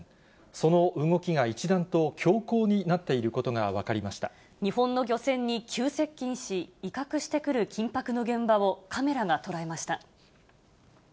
その動きが一段と強硬になってい日本の漁船に急接近し、威嚇してくる緊迫の現場を、カメラが捉えました。